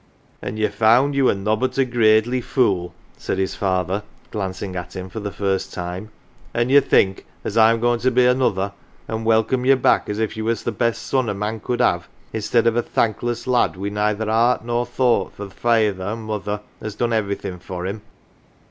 " An' ye found ye were nobbut a gradely fool," said his father, glancing at him for the first time, " an' ye think as I'm goin' to be another, an' welcome ye back as if ye was th' best son a man could have, i'stead of a thankless lad wi' neither heart nor thought for th' feyther an' mother as done everything for him.